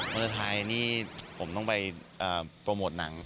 วาเลนไทยนี่ผมต้องไปโปรโมทนัง